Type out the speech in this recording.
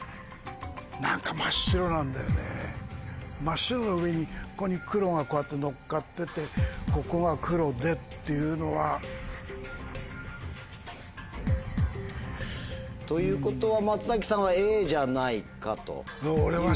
真っ白の上にここに黒がこうやってのっかっててここは黒でっていうのは。ということは。